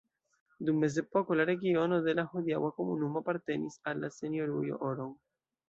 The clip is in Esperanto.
Dum mezepoko la regiono de la hodiaŭa komunumo apartenis al la Senjorujo Oron.